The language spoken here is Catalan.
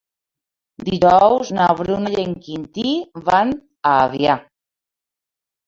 Dijous na Bruna i en Quintí van a Avià.